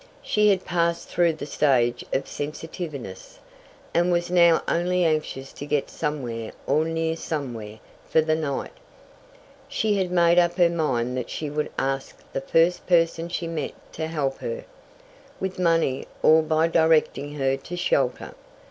She had passed through the stage of sensitiveness, and was now only anxious to get somewhere or near somewhere, for the night. She had made up her mind that she would ask the first person she met to help her, with money or by directing her to shelter.